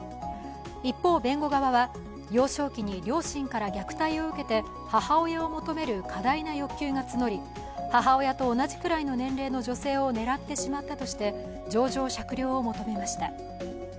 一方、弁護側は幼少期に両親から虐待を受けて母親を求める過大な欲求が募り母親と同じくらいの年齢の女性を狙ってしまったとして情状酌量を求めました。